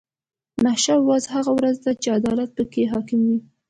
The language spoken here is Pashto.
د محشر ورځ هغه ورځ ده چې عدالت به پکې حاکم وي .